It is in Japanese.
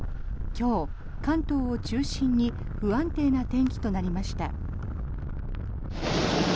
今日、関東を中心に不安定な天気となりました。